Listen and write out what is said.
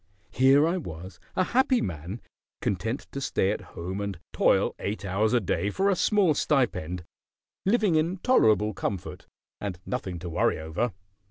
Here I was a happy man; content to stay at home and toil eight hours a day for a small stipend; living in tolerable comfort, and nothing to worry over.